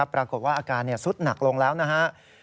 ปรากฏว่าอาการสุดหนักลงแล้วนะครับ